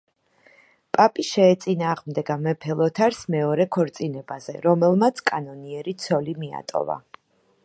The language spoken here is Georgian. პაპი შეეწინააღმდეგა მეფე ლოთარს მეორე ქორწინებაზე, რომელმაც კანონიერი ცოლი მიატოვა.